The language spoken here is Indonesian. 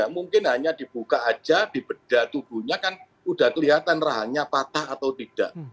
mungkin hanya dibuka aja di bedah tubuhnya kan udah kelihatan rahannya patah atau tidak